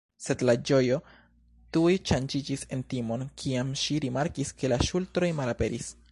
Sed la ĝojo tuj ŝanĝiĝis en timon, kiam ŝi rimarkis ke la ŝultroj malaperis.